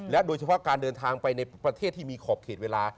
โดยเฉพาะการเดินทางไปในประเทศที่มีขอบเขตเวลา